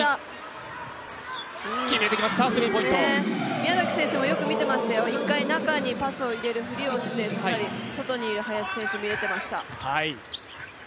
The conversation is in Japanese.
宮崎選手もよく見てましたよ、１回中にパスを入れるふりをして外にいる林で、見れていました。